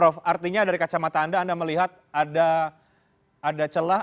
jadi ini dari kacamata anda anda melihat ada celah